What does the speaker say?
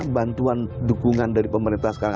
bantuan dukungan dari pemerintah sekarang